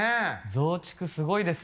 増築すごいです。